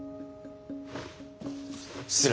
失礼。